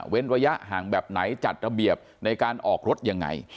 ระยะห่างแบบไหนจัดระเบียบในการออกรถยังไง